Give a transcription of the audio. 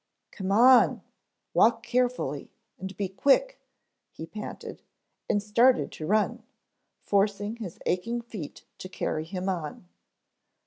"Come on, walk carefully and be quick," he panted, and started to run, forcing his aching feet to carry him on.